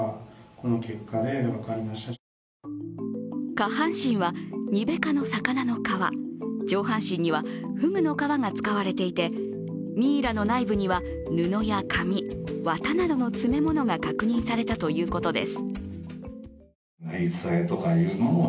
下半身はニベ科の魚の皮上半身にはフグの皮が使われていてミイラの内部には布や紙、綿などの詰め物が確認されたということです。